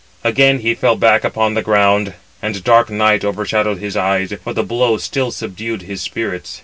Again he fell back upon the ground, and dark night overshadowed his eyes; for the blow still subdued his spirits.